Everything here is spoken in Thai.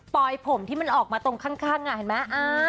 ปลอยผมที่มันออกมาตรงข้างอ่ะเห็นไหมอ่า